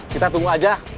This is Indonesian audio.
kita tunggu aja